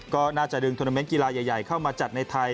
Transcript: ก็น่าจะดึงทวนาเมนต์กีฬาใหญ่เข้ามาจัดในไทย